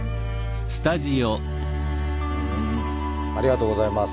ありがとうございます。